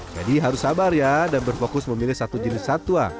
jadi harus sabar ya dan berfokus memilih satu jenis satwa